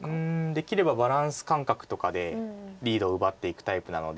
できればバランス感覚とかでリードを奪っていくタイプなので。